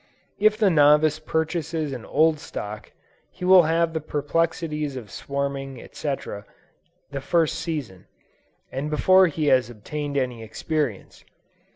If the novice purchases an old stock, he will have the perplexities of swarming, &c., the first season, and before he has obtained any experience.